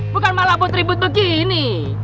bukan malah buat ribut begini